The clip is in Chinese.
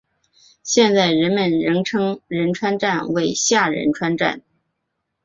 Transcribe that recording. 现在人们仍称仁川站为下仁川站。